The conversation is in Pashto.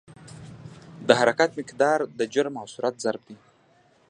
د حرکت مقدار د جرم او سرعت ضرب دی.